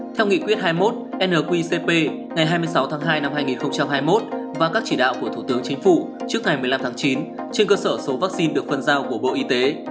theo nghị quyết hai mươi một nqcp ngày hai mươi sáu tháng hai năm hai nghìn hai mươi một và các chỉ đạo của thủ tướng chính phủ trước ngày một mươi năm tháng chín trên cơ sở số vaccine được phân giao của bộ y tế